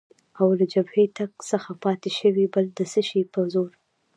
او له جبهې تګ څخه پاتې شوې، بل د څه شي په زور؟